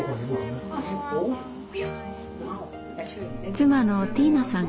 妻のティーナさん